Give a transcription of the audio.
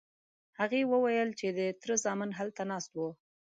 هغې وویل چې د تره زامن هلته ناست وو.